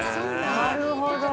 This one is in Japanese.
「なるほど」